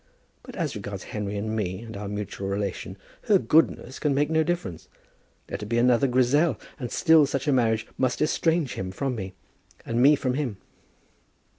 But as regards Henry and me, and our mutual relation, her goodness can make no difference. Let her be another Grizel, and still such a marriage must estrange him from me, and me from him."